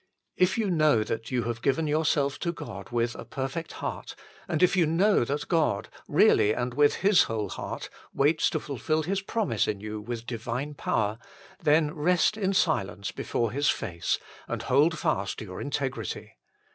If you know that you have given yourself to God with a perfect heart, and if you know that God, really and with His whole heart, waits to fulfil His promise in you with divine power, then rest in silence before His face and hold fast your integrity.